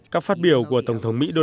các phát biểu của tổng thống mỹ đã đề xuất